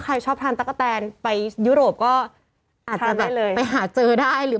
ใครชอบทานตั๊กตาแคนไปยุโรปก็ทานได้เลยไปหาเจอได้หรือ